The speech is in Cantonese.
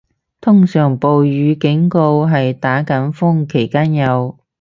通常暴雨警告係打緊風期間有